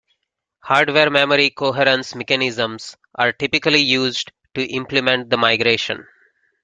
Hardware memory coherence mechanisms are typically used to implement the migration.